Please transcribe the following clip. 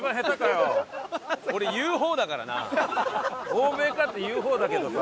「欧米か！」って言う方だけどさ。